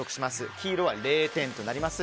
黄色は０点となります。